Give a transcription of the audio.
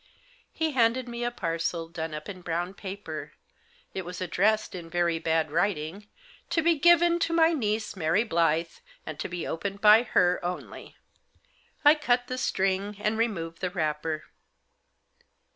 He handed me a parcel done up in brown paper. It was addressed, in very bad writing, " To be given to my niece, Mary Blyth, and to be opened by her only." I cut the string, and removed the wrapper.